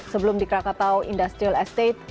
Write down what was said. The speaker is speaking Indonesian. sebelum di krakatau industrial estate